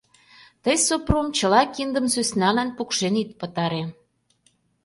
Тый, Сопром, чыла киндым сӧсналан пукшен ит пытаре!